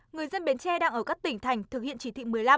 người dân bến tre đang ở các tỉnh thành thực hiện chỉ thị một mươi năm